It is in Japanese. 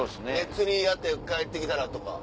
釣りをやって帰って来たらとか。